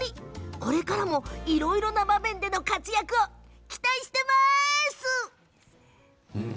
これからもいろんな場面での活躍を期待してます。